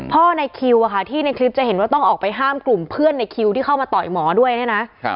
ในคิวที่ในคลิปจะเห็นว่าต้องออกไปห้ามกลุ่มเพื่อนในคิวที่เข้ามาต่อยหมอด้วยเนี่ยนะ